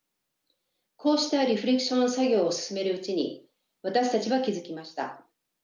こうしたリフレクション作業を進めるうちに私たちは気付きました。